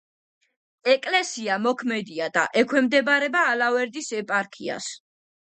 ეკლესია მოქმედია და ექვემდებარება ალავერდის ეპარქიას.